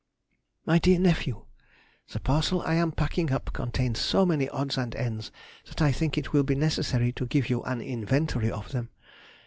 MY DEAR NEPHEW,— The parcel I am packing up contains so many odds and ends, that I think it will be necessary to give you an inventory of them.